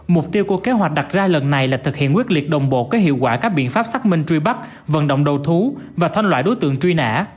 mục tiêu của kế hoạch đặt ra lần này là thực hiện quyết liệt đồng bộ các hiệu quả các biện pháp xác minh truy bắt vận động đầu thú và thanh loại đối tượng truy nã